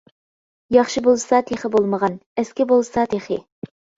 ياخشى بولسا تېخى بولمىغان، ئەسكى بولسا تېخى.